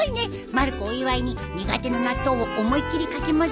まる子お祝いに苦手な納豆を思いっ切りかき混ぜるよ。